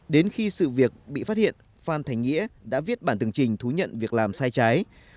đến khi sự việc bị phát hiện phan thành nghĩa đã viết bản từng trình thú nhận việc làm sai trái